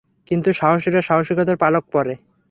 কিন্তু সাহসীরা সাহসীকতার পালক পরে।